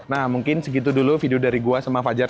nah mungkin segitu dulu video dari gua sama fajar